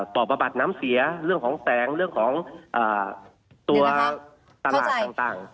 ต่อประบัติน้ำเสียเรื่องของแปลงเรื่องของเอ่อตัวตลาดต่างต่าง